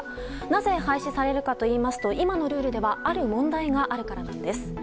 なぜ廃止されるかといいますと今のルールではある問題があるからです。